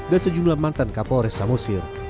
dan sejumlah mantan kapolres samosir